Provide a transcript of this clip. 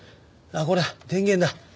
これは電源だ。